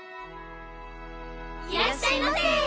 いらっしゃいませ！